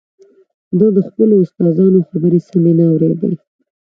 ده د خپلو استادانو خبرې سمې نه اورېدې